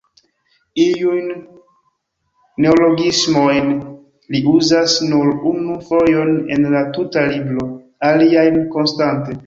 Iujn neologismojn li uzas nur unu fojon en la tuta libro, aliajn konstante.